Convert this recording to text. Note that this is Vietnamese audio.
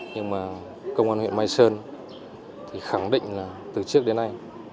nhưng mà công an huyện mai sơn thì khẳng định là từ trước đến nay